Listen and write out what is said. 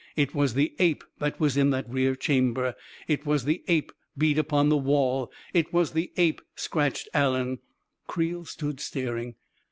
44 It was the ape that was in that rear chamber — it was the ape beat upon the wall — it was the ape scratched Allen ..." Creel stood staring.